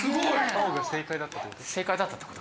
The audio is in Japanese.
青が正解だったって事？